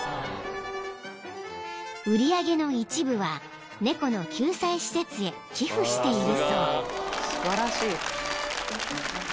［売り上げの一部は猫の救済施設へ寄付しているそう］